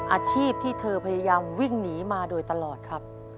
อาชีพที่เธอพยายามวิ่งหนีมาโดยตลอดครับ